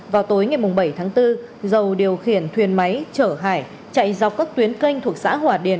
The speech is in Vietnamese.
vào tối ngày bảy tháng bốn dầu điều khiển thuyền máy chở hải chạy dọc các tuyến canh thuộc xã hòa điền